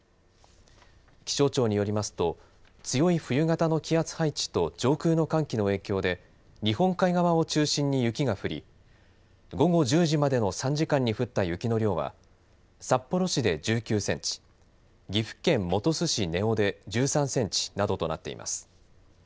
気象庁によりますと強い冬型の気圧配置と上空の寒気の影響で日本海側を中心に雪が降り午後１０時までの３時間に降った雪の量は札幌市で１９センチ岐阜県本巣市根尾で１３センチなどとなっています。